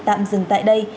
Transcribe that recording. tạm dừng tại đây